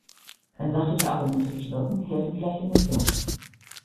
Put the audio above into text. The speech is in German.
Wenn sachliche Argumente nicht wirken, helfen vielleicht Emotionen.